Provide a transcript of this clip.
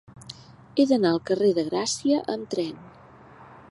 He d'anar al carrer de Gràcia amb tren.